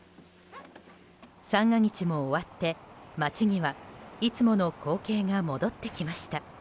三が日も終わって街にはいつもの光景が戻ってきました。